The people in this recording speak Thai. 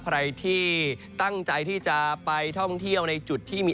ใครที่ตั้งใจที่จะไปท่องเที่ยวในจุดที่มี